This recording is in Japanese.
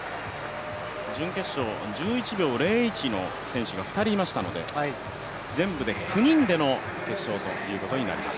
準決勝、１１秒０１の選手が２人いましたので全部で９人での決勝ということになります。